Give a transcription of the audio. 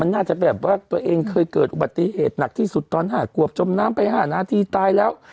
น่าจะแบบว่าตัวเองเคยเกิดอุบัติเหตุหนักที่สุดตอน๕ขวบจมน้ำไป๕นาทีตายแล้ว